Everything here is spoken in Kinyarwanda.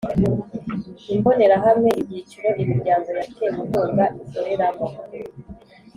Imbonerahamwe Ibyiciro imiryango yatewe inkunga ikoreramo